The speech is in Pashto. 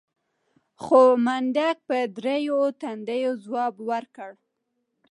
خو منډک په تريو تندي ځواب ورکړ.